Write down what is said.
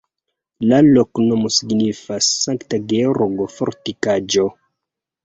La loknomo signifas Sankta Georgo-fortikaĵo.